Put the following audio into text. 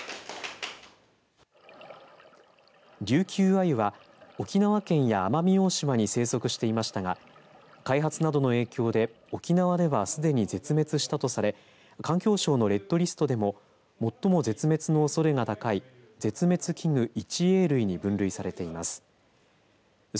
リュウキュウアユは沖縄県や奄美大島に生息していましたが開発などの影響で、沖縄ではすでに絶滅したとされ環境省のレッドリストでも最も絶滅のおそれが高い絶滅危惧１Ａ類に分類されています。